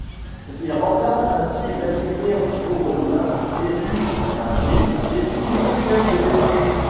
Il remplace ainsi Vladimir Voronin, élu en avril et toujours chef de l'État.